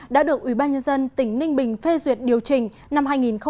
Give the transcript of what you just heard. đã được ủy ban nhân dân tỉnh ninh bình phê duyệt điều chỉnh năm hai nghìn một mươi sáu